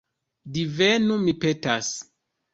Divenu, mi petas.